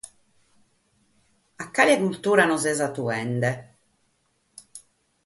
A cale cultura non ses atuende?